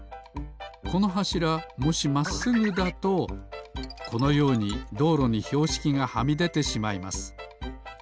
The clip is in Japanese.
このはしらもしまっすぐだとこのようにどうろにひょうしきがはみでてしまいます。